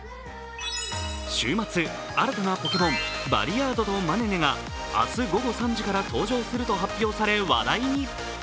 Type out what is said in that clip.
週末、新たなポケモン、バリヤードとマネネが明日午後３時から登場すると発表され話題に。